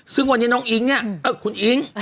ซึ่งวันนี้น้องอิ๊งเนี่ยคุณอิ๊ง